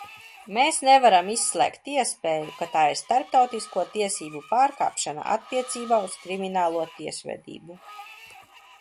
Mēs nevaram izslēgt iespēju, ka tā ir starptautisko tiesību pārkāpšana attiecībā uz kriminālo tiesvedību.